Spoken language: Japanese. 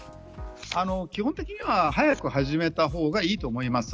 基本的には早く始めた方がいいと思います。